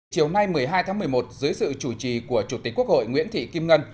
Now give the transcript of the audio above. chiều nay một mươi hai tháng một mươi một dưới sự chủ trì của chủ tịch quốc hội nguyễn thị kim ngân